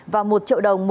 và một triệu đồng